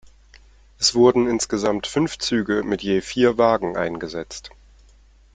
Es wurden insgesamt fünf Züge mit je vier Wagen eingesetzt.